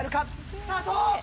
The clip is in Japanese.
スタート！